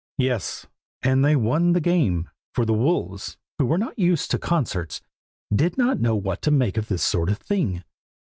yes, and they won the game, for the wolves, who were not used to concerts, did not know what to make of this sort of thing.